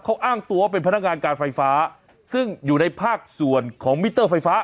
เขาอ้างตัวเป็นพนักงานการไฟฟ้าซึ่งอยู่ในภาคส่วนของมิเตอร์ไฟฟ้า